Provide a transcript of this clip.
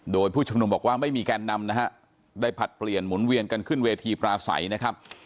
โดยผู้ชุมนุมบอกว่าไม่มีแกนนำนะฮะได้ผลัดเปลี่ยนหมุนเวียนกันขึ้นเวทีปราศัยนะครับ